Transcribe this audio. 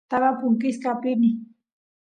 taba punkisqa apini